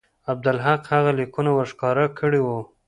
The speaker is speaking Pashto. عبدالحق هغه لیکونه ورښکاره کړي وو.